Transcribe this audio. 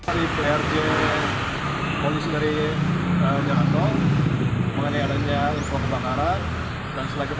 dan juga penjelasan dari pasangan industri